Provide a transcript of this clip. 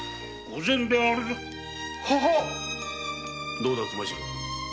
どうだ熊次郎。